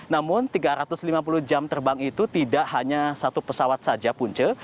namun tiga ratus lima puluh jam terbang itu tidak hanya satu pesawat saja punce